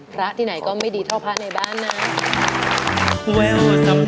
พระที่ไหนก็ไม่ดีเท่าพระในบ้านนะ